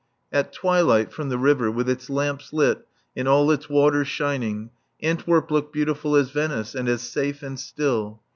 At twilight, from the river, with its lamps lit and all its waters shining, Antwerp looked beautiful as Venice and as safe and still.